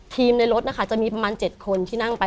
ทีมในรถค่ะมีเจ็บคนพร้อมนั่งไป